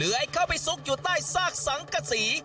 เรือยเข้าไปสุกอยู่ใต้สากสังกสี